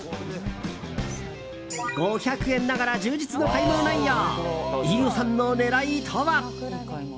５００円ながら充実の買い物内容飯尾さんの狙いとは。